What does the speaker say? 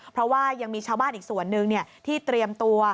เพราะว่ายังมีชาวบ้านอีกส่วนหนึ่งที่เตรียมตัว